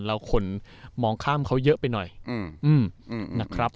แล้วคนมองข้ามเขาเยอะไปหน่อยนะครับ